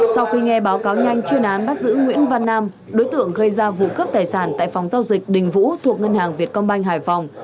sau khi nghe báo cáo nhanh chuyên án bắt giữ nguyễn văn nam đối tượng gây ra vụ cướp tài sản tại phòng giao dịch đình vũ thuộc ngân hàng việt công banh hải phòng